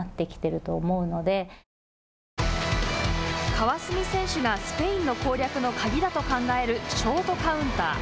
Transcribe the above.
川澄選手がスペインの攻略の鍵だと考えるショートカウンター。